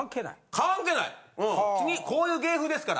こういう芸風ですから。